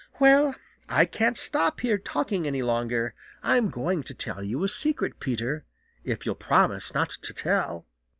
Well, I can't stop here talking any longer. I'm going to tell you a secret, Peter, if you'll promise not to tell."